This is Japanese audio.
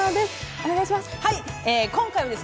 お願いします。